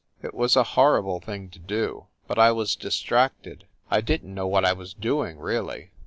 It was a horrible thing to do, but I was distracted. I didn t know what I was doing, really.